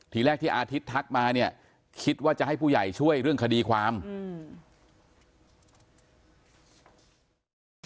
ทีแรกที่อาทิตย์ทักมาเนี่ยคิดว่าจะให้ผู้ใหญ่ช่วยเรื่องคดีความอืม